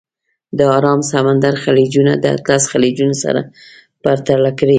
د ارام سمندر خلیجونه د اطلس خلیجونه سره پرتله کړئ.